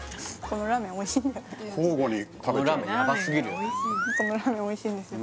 このラーメンおいしいんですよ